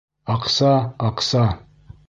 Аҡса, аҡса!